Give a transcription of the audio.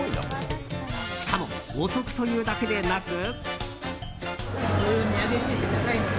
しかも、お得というだけでなく。